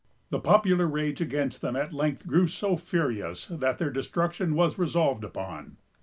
The popular rage against them at length grew so furious, that their destruction was resolved upon.